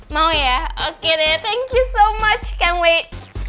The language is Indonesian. mau ya oke deh thank you so much camewake